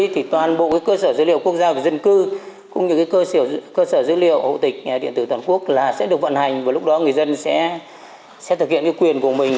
thì toàn bộ cơ sở dữ liệu quốc gia về dân cư cũng như cơ sở dữ liệu hậu tịch điện tử toàn quốc sẽ được vận hành và lúc đó người dân sẽ thực hiện quyền của mình